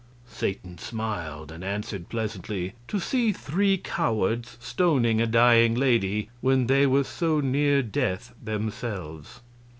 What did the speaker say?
Satan smiled and answered, pleasantly: "To see three cowards stoning a dying lady when they were so near death themselves."